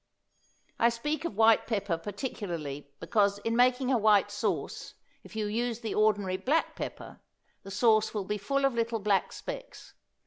I speak of white pepper particularly because in making a white sauce, if you use the ordinary black pepper, the sauce will be full of little black specks.